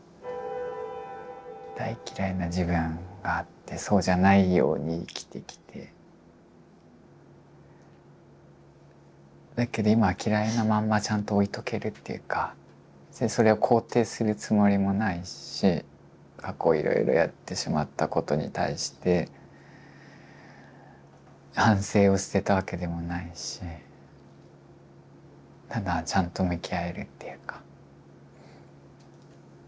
大嫌いな自分があってそうじゃないように生きてきてだけど今嫌いなまんまちゃんと置いとけるっていうかそれを肯定するつもりもないし過去いろいろやってしまったことに対して反省を捨てたわけでもないしただちゃんと向き合えるっていうか。